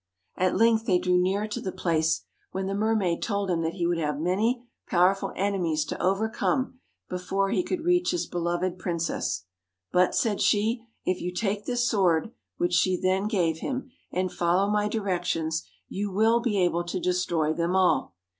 At length they drew near to the place, when the mermaid told him that he would have many power ful enemies to overcome before he could reach his beloved princess. ' But,' said she, ' if you take this sword,' which she then gave him, ' and follow my directions, you will be able to destroy them all.